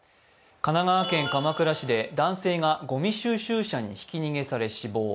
神奈川県鎌倉市で男性がごみ収集車にひき逃げされ死亡。